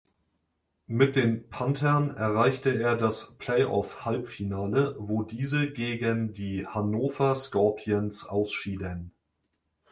Mit den Panthern erreichte er das Playoff-Halbfinale, wo diese gegen die Hannover Scorpions ausschieden.